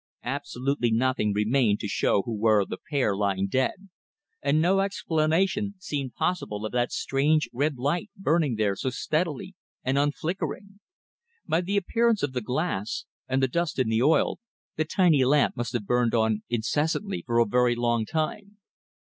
Absolutely nothing remained to show who were the pair lying dead, and no explanation seemed possible of that strange red light burning there so steadily, and unflickering. By the appearance of the glass, and the dust in the oil, the tiny lamp must have burned on incessantly for a very long time.